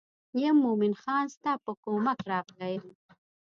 یم مومن خان ستا په کومک راغلی یم.